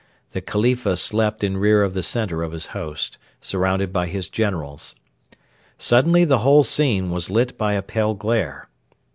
The Khalifa slept in rear of the centre of his host, surrounded by his generals. Suddenly the whole scene was lit by a pale glare.